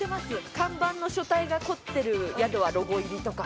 看板の書体が凝ってる宿はロゴ入りとか。